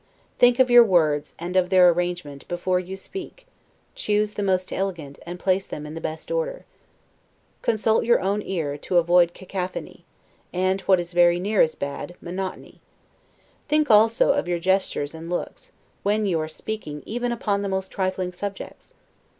Think of your words, and of their arrangement, before you speak; choose the most elegant, and place them in the best order. Consult your own ear, to avoid cacophony, and, what is very near as bad, monotony. Think also of your gesture and looks, when you are speaking even upon the most trifling subjects.